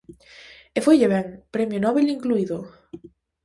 E foille ben, premio Nobel incluído.